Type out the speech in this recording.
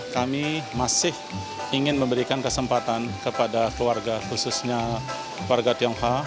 kami masih ingin memberikan kesempatan kepada keluarga khususnya warga tionghoa